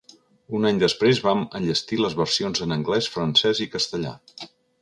Un any després vam enllestir les versions en anglès, francès i castellà.